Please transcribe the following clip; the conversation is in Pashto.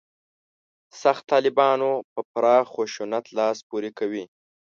«سخت طالبانو» په پراخ خشونت لاس پورې کوي.